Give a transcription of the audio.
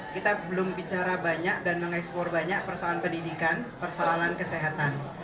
kita belum bicara banyak dan mengekspor banyak persoalan pendidikan persoalan kesehatan